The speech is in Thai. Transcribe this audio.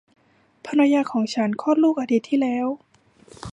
ภรรยาของฉันคลอดลูกอาทิตย์ที่แล้ว